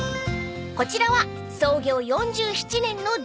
［こちらは創業４７年の純喫茶］